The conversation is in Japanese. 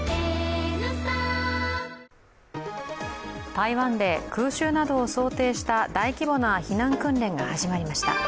台湾で空襲などを想定した大規模な避難訓練が始まりました。